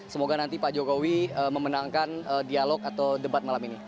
semoga nanti pak jokowi memenangkan dialog atau debat malam ini